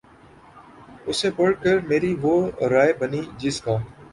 اسے پڑھ کر میری وہ رائے بنی جس کا